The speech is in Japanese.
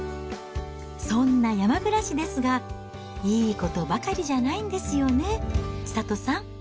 そんな山暮らしですが、いいことばかりじゃないんですよね、千里さん。